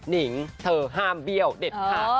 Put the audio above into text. นิงเธอห้ามเบี้ยวเด็ดขาด